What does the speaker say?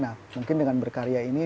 nah mungkin dengan berkarya ini